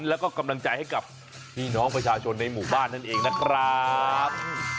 แล้วก็กำลังใจให้กับพี่น้องประชาชนในหมู่บ้านนั่นเองนะครับ